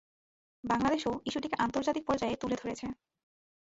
বাংলাদেশও ইস্যুটিকে আন্তর্জাতিক পর্যায়ে তুলে ধরেছে।